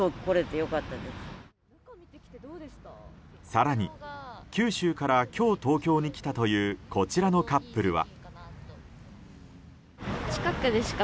更に九州から今日、東京に来たというこちらのカップルは。